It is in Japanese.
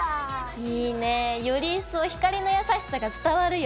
いいねより一層光の優しさが伝わるよ。